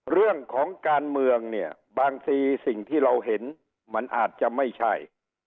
เรื่องของการเมืองเนี่ยบางทีสิ่งที่เราเห็นมันอาจจะไม่ใช่